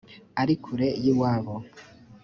ari kure y’iwabo